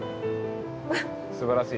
すばらしい。